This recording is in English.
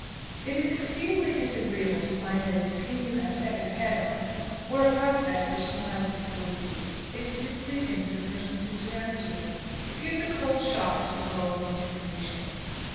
It is exceedingly disagreeable to find that a scheme you have set your head on, or a prospect which smiles before you, is displeasing to the persons who surround you. It gives a cold shock to the glow of anticipation.